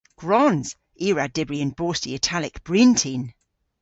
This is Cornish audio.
Gwrons! I a wra dybri yn bosti Italek bryntin.